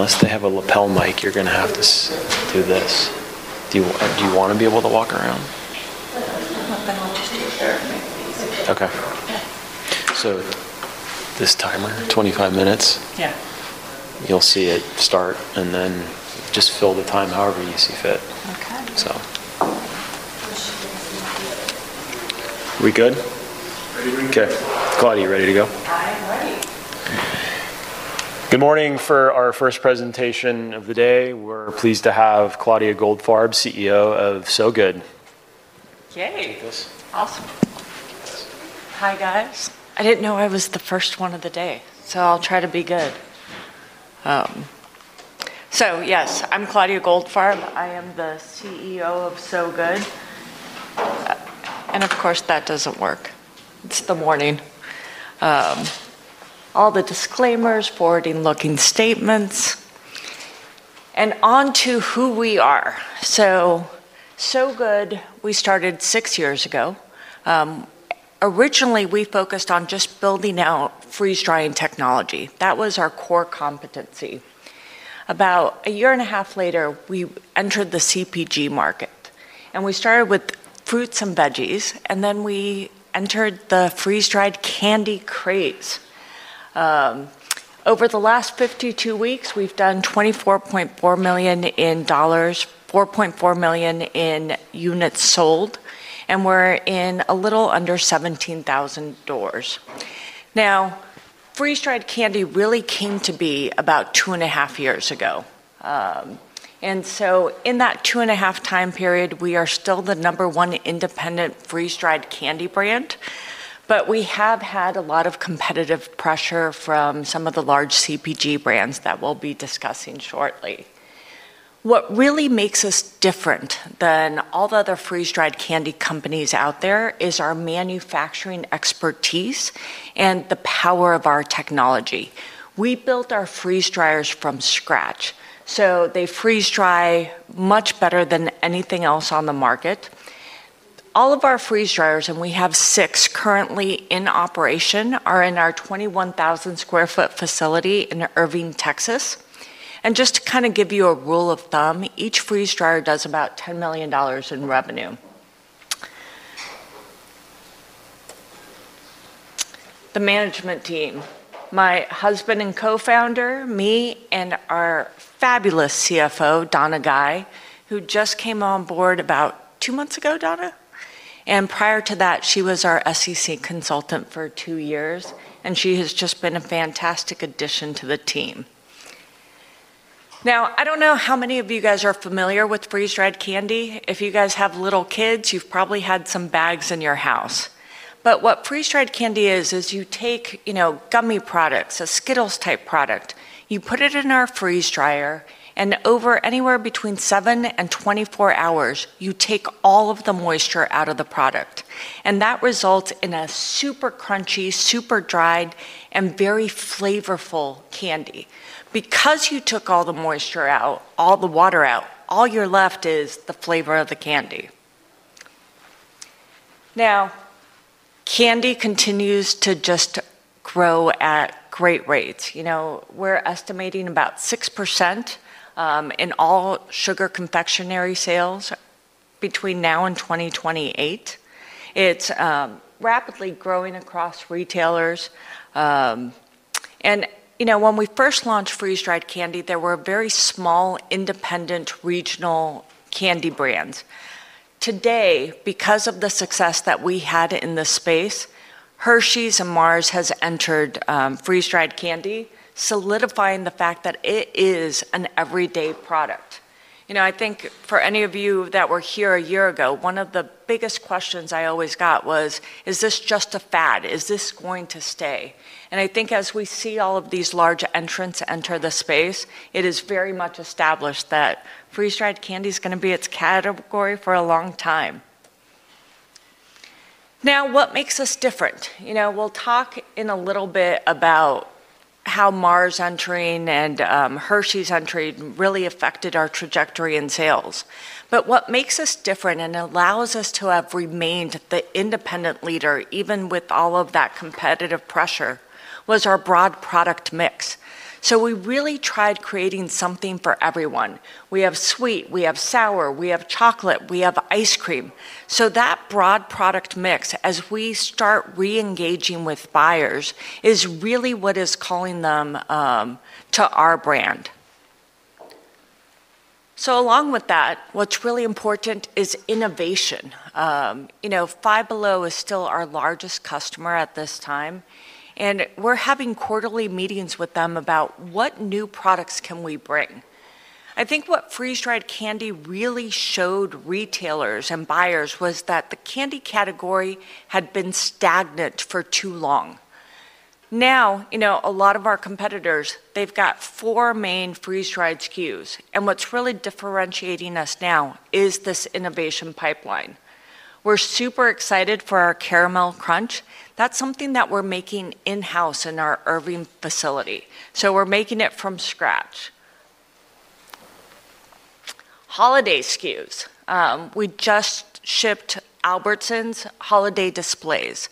Unless they have a lapel mic, you're gonna have to do this. Do you wanna be able to walk around? I'm gonna just take care of it. Okay. Yeah. This timer, 25 minutes? Yeah. You'll see it start, and then just fill the time however you see fit. Okay. So, we good? Ready when you are. Okay. Claudia, you ready to go? I am ready. Good morning. For our first presentation of the day, we're pleased to have Claudia Goldfarb, CEO of Sow Good. Yay! Take this. Awesome. Hi, guys. I didn't know I was the first one of the day, so I'll try to be good. So yes, I'm Claudia Goldfarb. I am the CEO of Sow Good. and of course, that doesn't work. It's the morning. all the disclaimers, forward-looking statements, and onto who we are. So, Sow Good, we started six years ago. Originally, we focused on just building out freeze-drying technology. That was our core competency. About a year and a half later, we entered the CPG market, and we started with fruits and veggies, and then we entered the freeze-dried candy craze. Over the last 52 weeks, we've done $24.4 million in dollars, 4.4 million in units sold, and we're in a little under 17,000 doors. Now, freeze-dried candy really came to be about two and a half years ago. And so in that two and a half time period, we are still the number one independent freeze-dried candy brand, but we have had a lot of competitive pressure from some of the large CPG brands that we'll be discussing shortly. What really makes us different than all the other freeze-dried candy companies out there is our manufacturing expertise and the power of our technology. We built our freeze dryers from scratch, so they freeze-dry much better than anything else on the market. All of our freeze dryers, and we have six currently in operation, are in our 21,000 sq ft facility in Irving, Texas. And just to kind of give you a rule of thumb, each freeze dryer does about $10 million in revenue. The management team, my husband and co-founder, me, and our fabulous CFO, Donna Guey, who just came on board about two months ago, Donna? Prior to that, she was our SEC consultant for two years, and she has just been a fantastic addition to the team. Now, I don't know how many of you guys are familiar with freeze-dried candy. If you guys have little kids, you've probably had some bags in your house. What freeze-dried candy is, is you take, you know, gummy products, a Skittles-type product, you put it in our freeze dryer, and over anywhere between seven and 24 hours, you take all of the moisture out of the product, and that results in a super crunchy, super dried, and very flavorful candy. Because you took all the moisture out, all the water out, all you're left is the flavor of the candy. Now, candy continues to just grow at great rates. You know, we're estimating about 6% in all sugar confectionery sales between now and 2028. It's rapidly growing across retailers, and you know, when we first launched freeze-dried candy, there were very small, independent, regional candy brands. Today, because of the success that we had in this space, Hershey's and Mars has entered, freeze-dried candy, solidifying the fact that it is an everyday product. You know, I think for any of you that were here a year ago, one of the biggest questions I always got was, "Is this just a fad? Is this going to stay?", and I think as we see all of these large entrants enter the space, it is very much established that freeze-dried candy is gonna be its category for a long time. Now, what makes us different? You know, we'll talk in a little bit about how Mars entering and, Hershey's entering really affected our trajectory in sales. But what makes us different and allows us to have remained the independent leader, even with all of that competitive pressure, was our broad product mix. So we really tried creating something for everyone. We have sweet, we have sour, we have chocolate, we have ice cream. So that broad product mix, as we start reengaging with buyers, is really what is calling them to our brand. So along with that, what's really important is innovation. You know, Five Below is still our largest customer at this time, and we're having quarterly meetings with them about what new products can we bring. I think what freeze-dried candy really showed retailers and buyers was that the candy category had been stagnant for too long. Now, you know, a lot of our competitors, they've got four main freeze-dried SKUs, and what's really differentiating us now is this innovation pipeline. We're super excited for our Caramel Crunch. That's something that we're making in-house in our Irving facility, so we're making it from scratch. Holiday SKUs. We just shipped Albertsons holiday displays.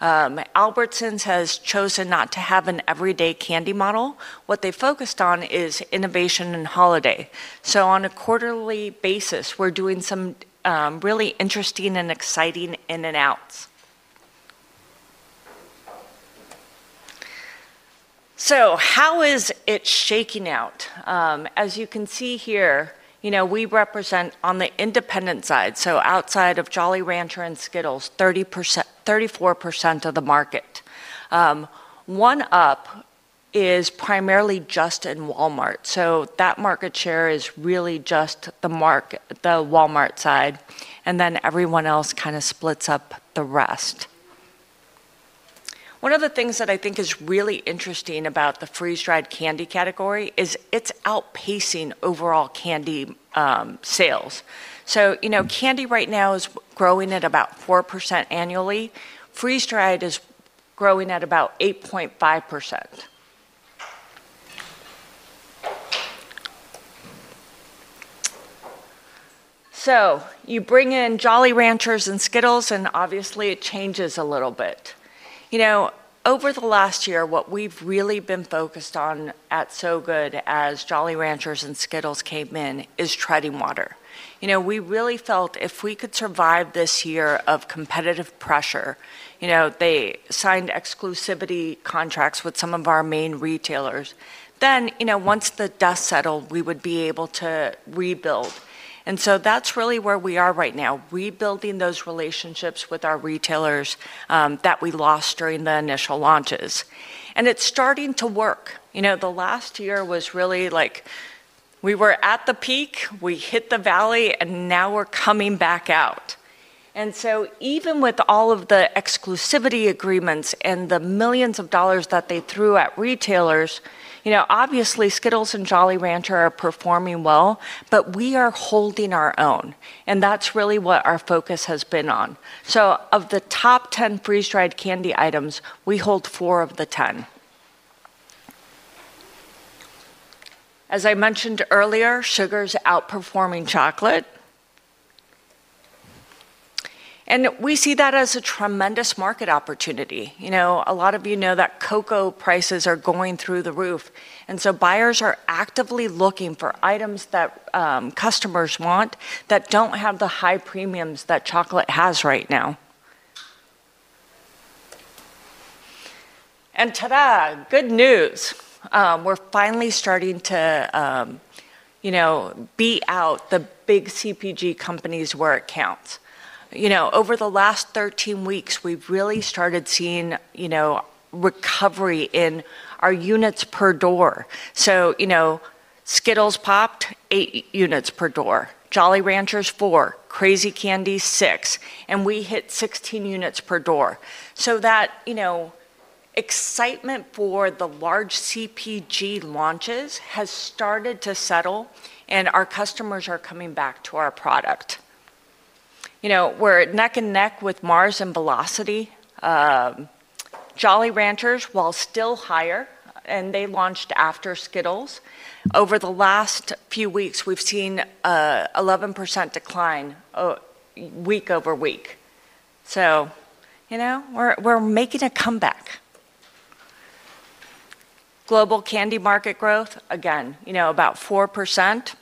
Albertsons has chosen not to have an everyday candy model. What they focused on is innovation and holiday. So on a quarterly basis, we're doing some really interesting and exciting in and outs. So how is it shaking out? As you can see here, you know, we represent, on the independent side, so outside of Jolly Rancher and Skittles, 30%, 34% of the market. One Up is primarily just in Walmart, so that market share is really just the Walmart side, and then everyone else kinda splits up the rest. One of the things that I think is really interesting about the freeze-dried candy category is it's outpacing overall candy sales. So, you know, candy right now is growing at about 4% annually. Freeze-dried is growing at about 8.5%. So you bring in Jolly Ranchers and Skittles, and obviously it changes a little bit. You know, over the last year, what we've really been focused on at Sow Good, as Jolly Ranchers and Skittles came in, is treading water. You know, we really felt if we could survive this year of competitive pressure, you know, they signed exclusivity contracts with some of our main retailers, then, you know, once the dust settled, we would be able to rebuild. And so that's really where we are right now, rebuilding those relationships with our retailers that we lost during the initial launches, and it's starting to work. You know, the last year was really like, we were at the peak, we hit the valley, and now we're coming back out. And so even with all of the exclusivity agreements and the millions of dollars that they threw at retailers, you know, obviously Skittles and Jolly Rancher are performing well, but we are holding our own, and that's really what our focus has been on. So of the top 10 freeze-dried candy items, we hold four of the 10. As I mentioned earlier, sugar is outperforming chocolate, and we see that as a tremendous market opportunity. You know, a lot of you know that cocoa prices are going through the roof, and so buyers are actively looking for items that, customers want, that don't have the high premiums that chocolate has right now. And ta-da! Good news, we're finally starting to, you know, beat out the big CPG companies where it counts. You know, over the last 13 weeks, we've really started seeing, you know, recovery in our units per door. So, you know, Skittles popped eight units per door, Jolly Ranchers, four, Crazy Candy, six, and we hit 16 units per door. So that, you know, excitement for the large CPG launches has started to settle, and our customers are coming back to our product. You know, we're neck and neck with Mars and Velocity. Jolly Ranchers, while still higher, and they launched after Skittles, over the last few weeks, we've seen 11% decline week over week. So, you know, we're making a comeback. Global candy market growth, again, you know, about 4%.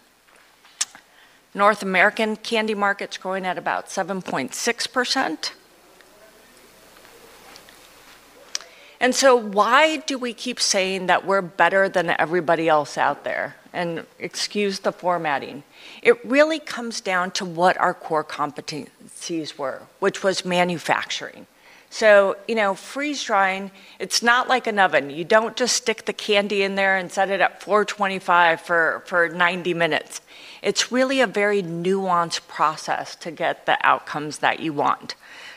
North American candy market's growing at about 7.6%. And so why do we keep saying that we're better than everybody else out there? And excuse the formatting. It really comes down to what our core competencies were, which was manufacturing. So, you know, freeze-drying, it's not like an oven. You don't just stick the candy in there and set it at 425 for 90 minutes. It's really a very nuanced process to get the outcomes that you want.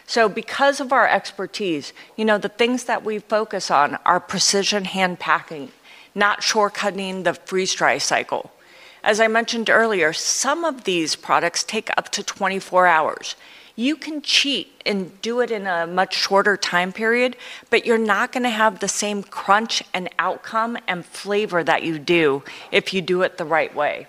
So because of our expertise, you know, the things that we focus on are precision hand packing, not short-cutting the freeze-dry cycle. As I mentioned earlier, some of these products take up to 24 hours. You can cheat and do it in a much shorter time period, but you're not gonna have the same crunch and outcome and flavor that you do if you do it the right way.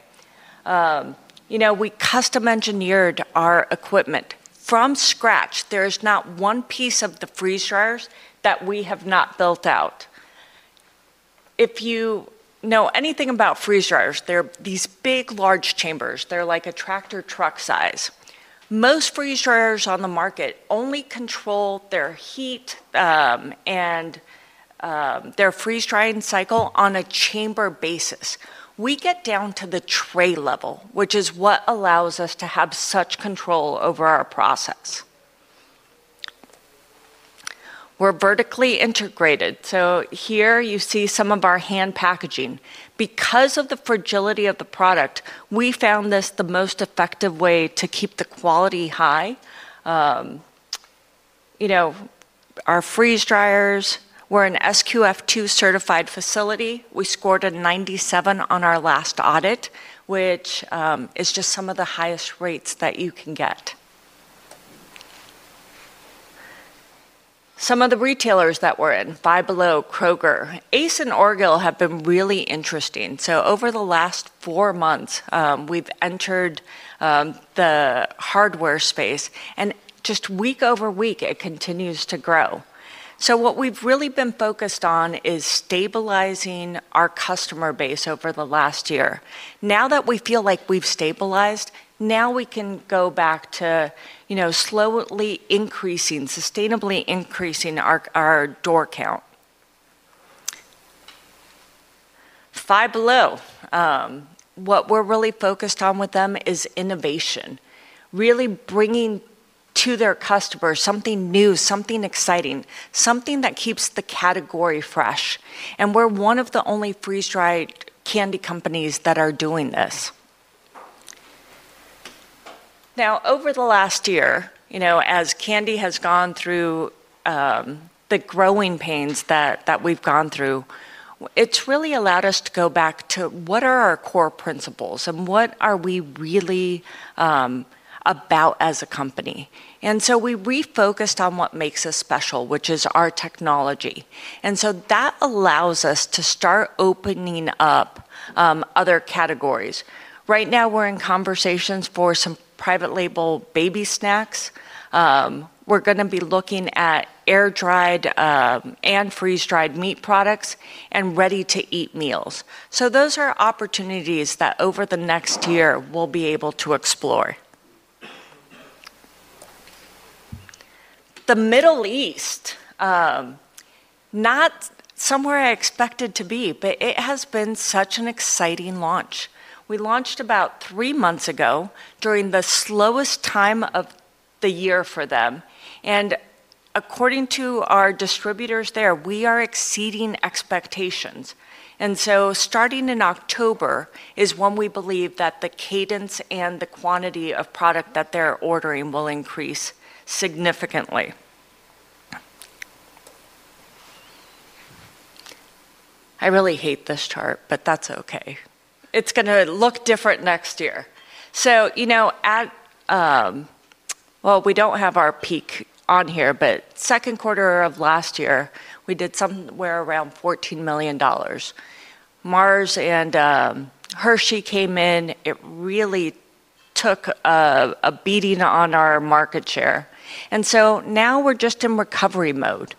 You know, we custom-engineered our equipment from scratch. There is not one piece of the freeze dryers that we have not built out. If you know anything about freeze dryers, they're these big, large chambers. They're like a tractor truck size. Most freeze dryers on the market only control their heat, and, their freeze-drying cycle on a chamber basis. We get down to the tray level, which is what allows us to have such control over our process. We're vertically integrated, so here you see some of our hand packaging. Because of the fragility of the product, we found this the most effective way to keep the quality high. You know, our freeze dryers, we're an SQF2 certified facility. We scored a 97 on our last audit, which is just some of the highest rates that you can get. Some of the retailers that we're in, Five Below, Kroger, Ace and Orgill have been really interesting. So over the last four months, we've entered the hardware space, and just week over week, it continues to grow. So what we've really been focused on is stabilizing our customer base over the last year. Now that we feel like we've stabilized, now we can go back to, you know, slowly increasing, sustainably increasing our door count. Five Below, what we're really focused on with them is innovation, really bringing to their customers something new, something exciting, something that keeps the category fresh, and we're one of the only freeze-dried candy companies that are doing this. Now, over the last year, you know, as candy has gone through the growing pains that we've gone through, it's really allowed us to go back to what are our core principles, and what are we really about as a company? We refocused on what makes us special, which is our technology, and so that allows us to start opening up other categories. Right now, we're in conversations for some private label baby snacks. We're gonna be looking at air-dried and freeze-dried meat products and ready-to-eat meals. Those are opportunities that over the next year we'll be able to explore. The Middle East not somewhere I expected to be, but it has been such an exciting launch. We launched about three months ago during the slowest time of the year for them, and according to our distributors there, we are exceeding expectations. Starting in October is when we believe that the cadence and the quantity of product that they're ordering will increase significantly. I really hate this chart, but that's okay. It's gonna look different next year. You know, at... We don't have our peak on here, but second quarter of last year, we did somewhere around $14 million. Mars and Hershey came in. It really took a beating on our market share, and so now we're just in recovery mode,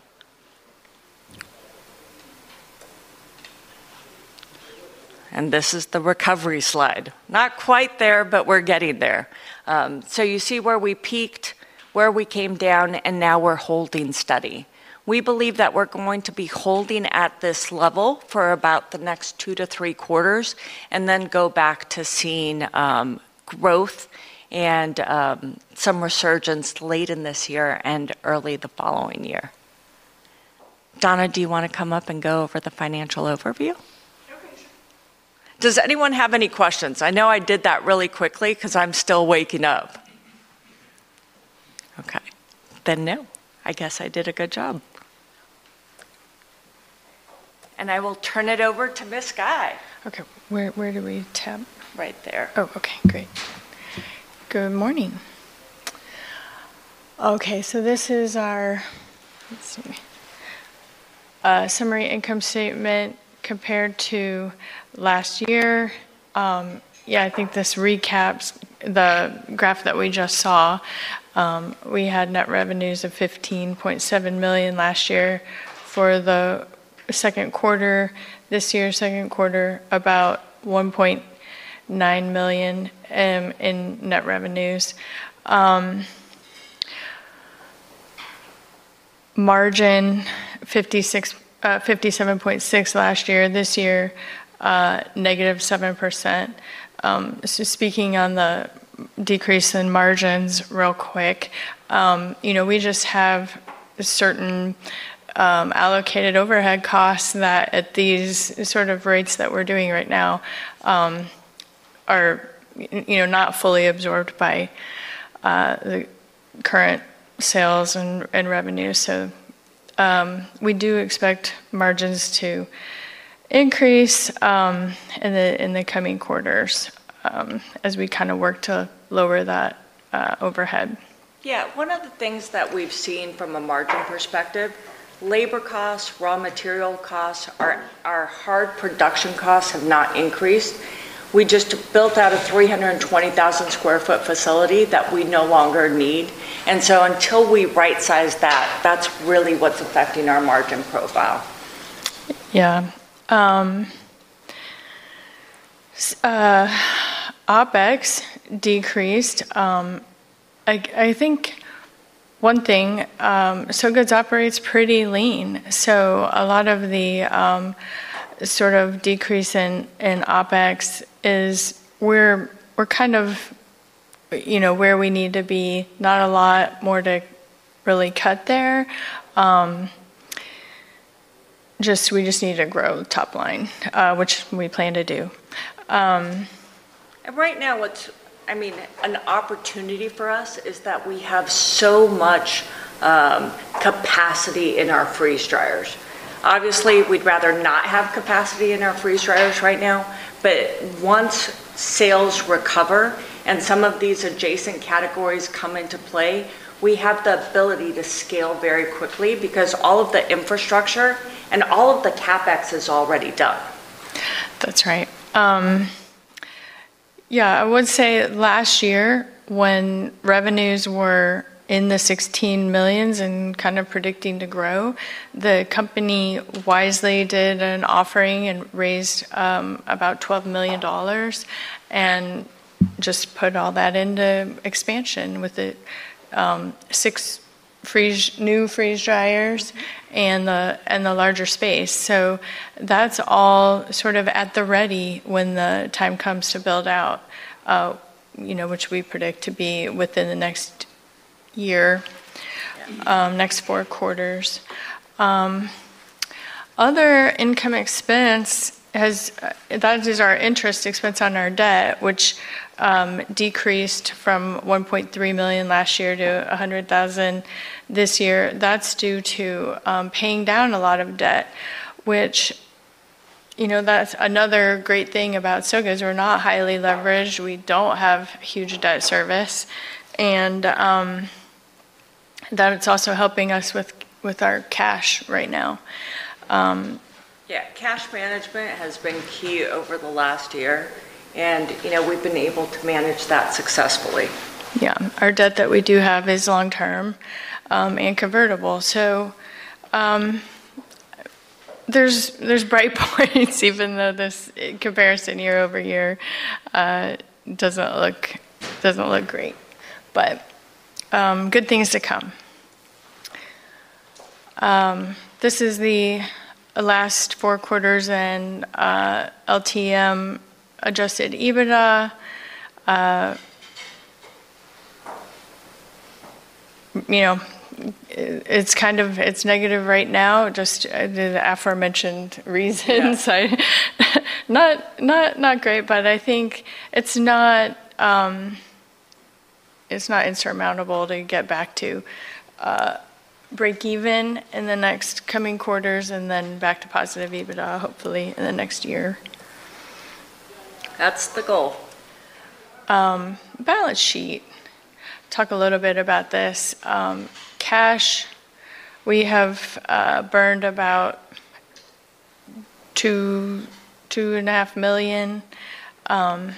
and this is the recovery slide. Not quite there, but we're getting there, so you see where we peaked, where we came down, and now we're holding steady. We believe that we're going to be holding at this level for about the next two to three quarters, and then go back to seeing growth and some resurgence late in this year and early the following year. Donna, do you wanna come up and go over the financial overview? Okay. Does anyone have any questions? I know I did that really quickly 'cause I'm still waking up. Okay, then no. I guess I did a good job. And I will turn it over to Ms. Guy. Okay. Where, where do we tap? Right there. Oh, okay, great. Good morning. Okay, so this is our, let's see, summary income statement compared to last year. Yeah, I think this recaps the graph that we just saw. We had net revenues of $15.7 million last year for the second quarter. This year's second quarter, about $1.9 million in net revenues. Margin 57.6% last year. This year, negative 7%. So speaking on the decrease in margins real quick, you know, we just have certain allocated overhead costs that at these sort of rates that we're doing right now are you know not fully absorbed by the current sales and revenue. So, we do expect margins to increase in the coming quarters as we kind of work to lower that overhead. Yeah. One of the things that we've seen from a margin perspective, labor costs, raw material costs, our hard production costs have not increased. We just built out a 320,000 sq ft facility that we no longer need, and so until we right-size that, that's really what's affecting our margin profile. Yeah. OpEx decreased. I think one thing, Sow Good operates pretty lean, so a lot of the sort of decrease in OpEx is we're kind of, you know, where we need to be, not a lot more to really cut there. Just, we just need to grow top line, which we plan to do. Right now, I mean, an opportunity for us is that we have so much capacity in our freeze dryers. Obviously, we'd rather not have capacity in our freeze dryers right now, but once sales recover and some of these adjacent categories come into play, we have the ability to scale very quickly because all of the infrastructure and all of the CapEx is already done. That's right. Yeah, I would say last year, when revenues were $16 million and kind of predicting to grow, the company wisely did an offering and raised about $12 million, and just put all that into expansion with the six new freeze dryers- And the larger space, so that's all sort of at the ready when the time comes to build out, you know, which we predict to be within the next year- Yeah Next four Quarters. Other income expense has that is our interest expense on our debt, which decreased from $1.3 million last year to $100,000 this year. That's due to paying down a lot of debt, which, you know, that's another great thing about Sow Good is we're not highly leveraged. We don't have huge debt service, and that it's also helping us with our cash right now. Yeah, cash management has been key over the last year, and, you know, we've been able to manage that successfully. Yeah. Our debt that we do have is long-term, and convertible. So, there's bright points, even though this comparison year over year doesn't look great. But, good things to come. This is the last four quarters and LTM adjusted EBITDA. You know, it's kind of... It's negative right now, just the aforementioned reasons. Yeah. So not great, but I think it's not insurmountable to get back to break even in the next coming quarters, and then back to positive EBITDA, hopefully, in the next year. That's the goal. Balance sheet. Talk a little bit about this. Cash, we have burned about $2-$2.5 million. I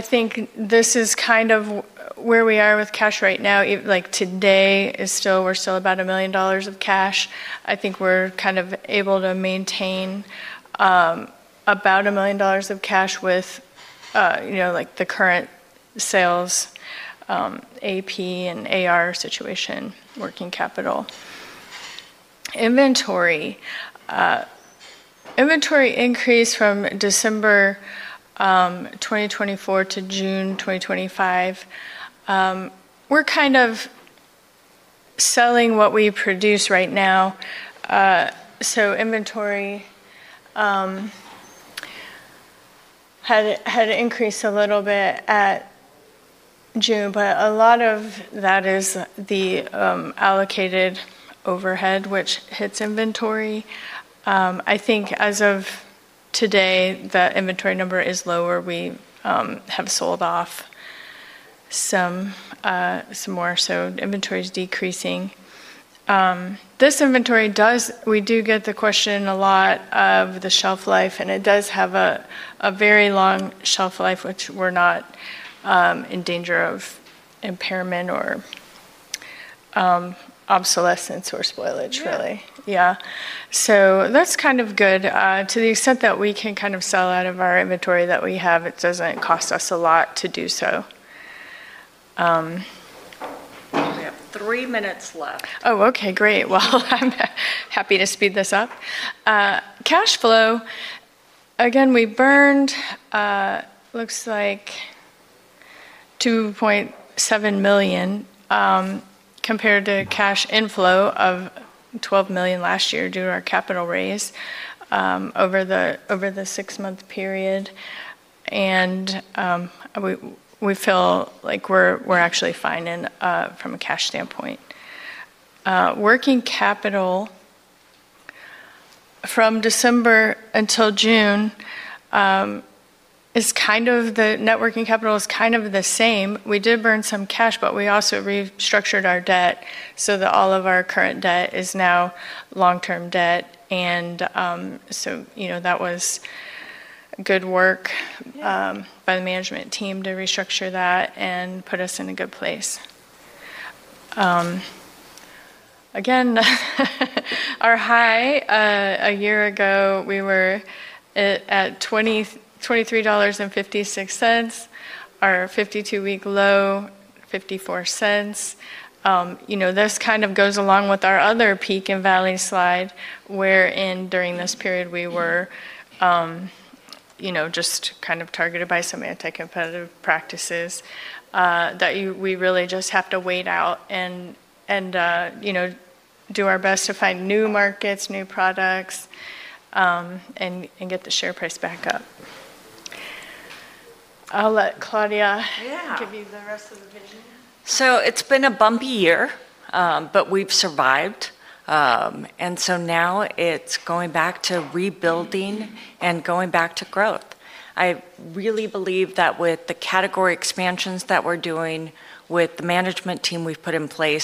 think this is kind of where we are with cash right now. Like, today is still, we're still about $1 million of cash. I think we're kind of able to maintain about $1 million of cash with, you know, like, the current sales, AP and AR situation, working capital. Inventory. Inventory increased from December 2024 to June 2025. We're kind of selling what we produce right now. So inventory had increased a little bit at June, but a lot of that is the allocated overhead, which hits inventory. I think as of today, the inventory number is lower. We have sold off some more, so inventory's decreasing. This inventory, we do get the question a lot of the shelf life, and it does have a very long shelf life, which we're not in danger of impairment or obsolescence or spoilage, really. Yeah. Yeah. So that's kind of good. To the extent that we can kind of sell out of our inventory that we have, it doesn't cost us a lot to do so. We have three minutes left. Oh, okay, great. Well, I'm happy to speed this up. Cash flow, again, we burned looks like $2.7 million compared to cash inflow of $12 million last year due to our capital raise over the six-month period, and we feel like we're actually fine from a cash standpoint. Working capital from December until June, net working capital is kind of the same. We did burn some cash, but we also restructured our debt so that all of our current debt is now long-term debt, and so you know that was good work- Yeah By the management team to restructure that and put us in a good place. Again, our high, a year ago, we were at $20.2356. Our 52-week low, $0.54. You know, this kind of goes along with our other peak and valley slide, wherein during this period, we were, you know, just kind of targeted by some anti-competitive practices, that you, we really just have to wait out and, you know, do our best to find new markets, new products, and get the share price back up. I'll let Claudia- Yeah Give you the rest of the vision. So it's been a bumpy year, but we've survived. And so now it's going back to rebuilding and going back to growth. I really believe that with the category expansions that we're doing, with the management team we've put in place-